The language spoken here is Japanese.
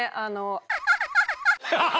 ハハハ！